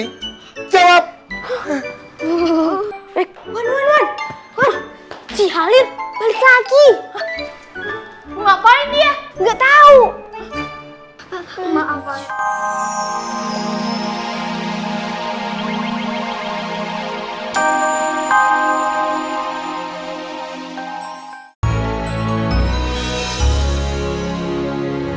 ini jawab eh wan wan wan wan ci halim balik lagi mau ngapain dia gak tau